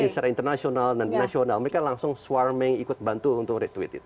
secara internasional dan nasional mereka langsung swarming ikut bantu untuk retweet itu